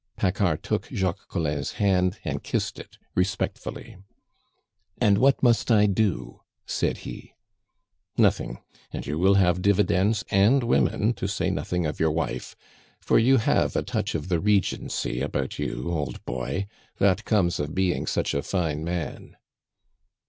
Paccard took Jacques Collin's hand and kissed it respectfully. "And what must I do?" said he. "Nothing; and you will have dividends and women, to say nothing of your wife for you have a touch of the Regency about you, old boy! That comes of being such a fine man!"